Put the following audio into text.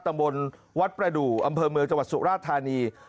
ตำบลวัดประดูกอำเภอเมืองจังหวัดสุราธานี